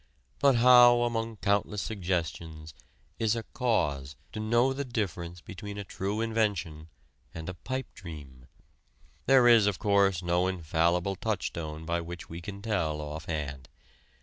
But how among countless suggestions is a "cause" to know the difference between a true invention and a pipe dream? There is, of course, no infallible touchstone by which we can tell offhand.